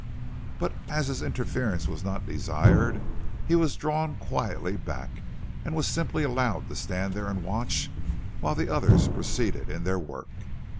But as his interference was not desired, he was drawn quietly back, and was simply allowed to stand there and watch while the others proceeded in their work.